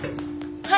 はい。